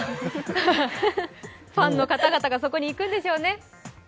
ファンの方々がそこに行くんでしょうね。